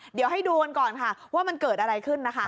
เดี๋ยวให้ดูกันก่อนค่ะว่ามันเกิดอะไรขึ้นนะคะ